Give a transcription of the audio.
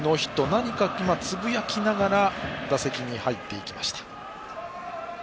何かつぶやきながら打席に入っていきました。